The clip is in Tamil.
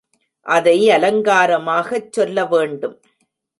அதை அலங்காரமாகச் சொல்ல வேண்டும்.